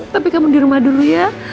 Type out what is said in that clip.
tapi kamu di rumah dulu ya